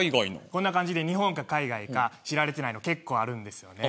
こんな感じで日本か海外か知られてないの結構あるんですよね。